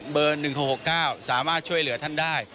๑๖๖๙สามารถช่วยเหลือท่านได้